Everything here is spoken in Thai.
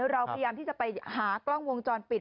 เราพยายามที่จะไปหากล้องวงจรปิด